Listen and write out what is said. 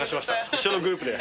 一緒のグループで。